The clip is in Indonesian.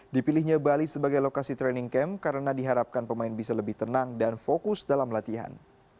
dipilihnya bali sebagai lokasi training camp karena diharapkan pemain bisa lebih tenang dan fokus dalam latihan